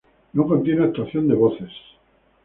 No contiene actuación de voces.